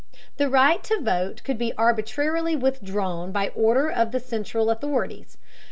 The right to vote could be arbitrarily withdrawn by order of the central authorities.